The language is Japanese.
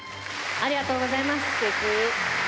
ありがとうございます。